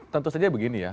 tentu saja begini ya